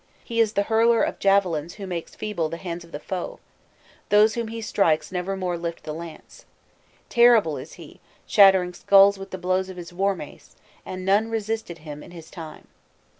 He is the hurler of javelins who makes feeble the hands of the foe; those whom he strikes never more lift the lance. Terrible is he, shattering skulls with the blows of his war mace, and none resisted him in his time.